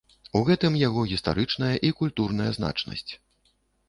У гэтым яго гістарычная і культурная значнасць.